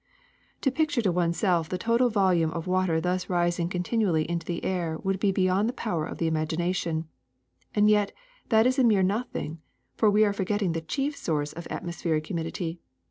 *^To picture to oneself the total volume of water thus rising continually into the air would be beyond the power of the imagination ; and yet that is a mere nothing, for we are forgetting the chief source of atmospheric humidity.